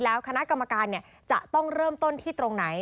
แล้วคณะกรรมการจะต้องเริ่มต้นที่ตรงไหน